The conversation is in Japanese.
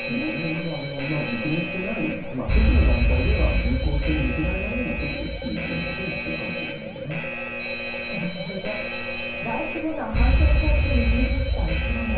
まだ、熟練してない初期の段階では、銃口を人に向けられないような装置を作るというようなことも必要では続いて、大規模な反転攻勢に踏み切ったウクライナ。